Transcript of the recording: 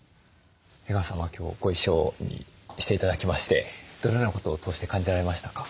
江川さんは今日ご一緒して頂きましてどのようなことを通して感じられましたか？